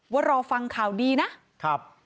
ว่ารอฟังข่าวดีนะครับ